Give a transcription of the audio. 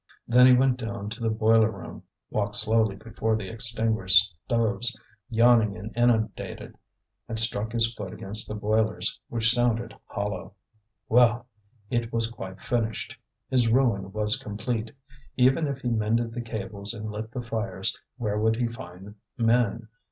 Then he went down to the boiler room, walked slowly before the extinguished stoves, yawning and inundated, and struck his foot against the boilers, which sounded hollow. Well! it was quite finished; his ruin was complete. Even if he mended the cables and lit the fires, where would he find men?